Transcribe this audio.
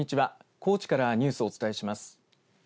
高知からニュースをお伝えします。